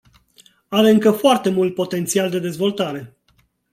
Are încă foarte mult potențial de dezvoltare.